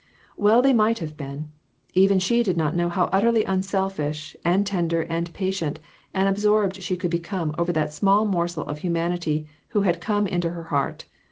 Well they might have been. Even she did not know how utterly unselfish, and tender, and patient, and absorbed she could become over that small morsel of humanity who had come into her heart.